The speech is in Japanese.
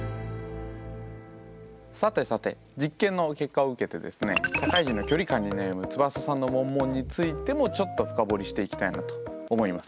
さてさて実験の結果を受けてですねつばささんのモンモンについてもちょっと深掘りしていきたいなと思います。